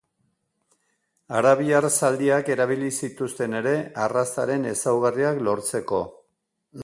Arabiar zaldiak erabili zituzten ere arrazaren ezaugarriak lortzeko.